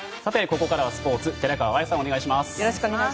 ここからはスポーツ寺川綾さん、お願いします。